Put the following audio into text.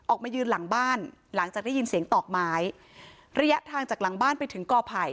ออกมายืนหลังบ้านหลังจากได้ยินเสียงตอกไม้ระยะทางจากหลังบ้านไปถึงกอไผ่